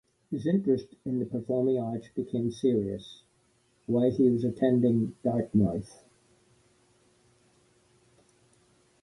His interest in the performing arts became serious while he was attending Dartmouth.